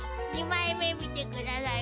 ２枚目見て下さい。